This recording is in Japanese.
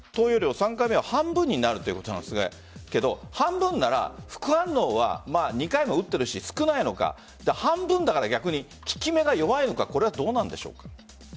３回目は半分になるということなんですが半分なら副反応は２回も打ってるし、少ないのか半分だから逆に効き目が弱いのかこれはどうなんでしょうか？